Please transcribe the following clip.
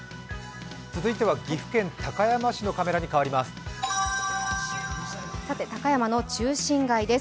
続いては岐阜県高山市のカメラに変わります。